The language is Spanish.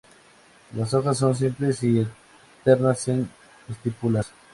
Las hojas son simples y alternas, sin estípulas.